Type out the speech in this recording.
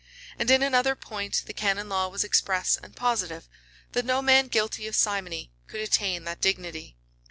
And in another point the canon law was express and positive, that no man guilty of simony could attain that dignity.